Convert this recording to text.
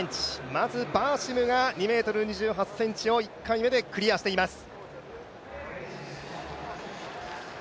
まずバーシムが２ｍ２８ｃｍを１回目でクリアしています。